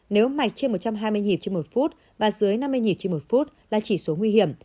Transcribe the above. nếu mạch trên một trăm hai mươi nhịp trên một phút và dưới năm mươi nhịp trên một phút là chỉ số nguy hiểm